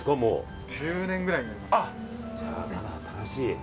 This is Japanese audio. じゃあまだ新しい。